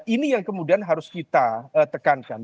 ini yang kemudian harus kita tekankan